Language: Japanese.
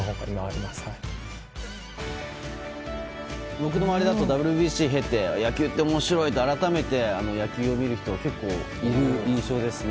僕の周りだとＷＢＣを経て野球って面白いって改めて野球を見る人が結構いる印象ですね。